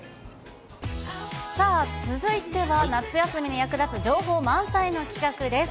さあ、続いては、夏休みに役立つ情報満載の企画です。